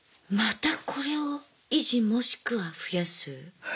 またこれを維持もしくは増やす？